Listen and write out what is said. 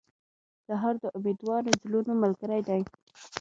سهار د امیدوارو زړونو ملګری دی.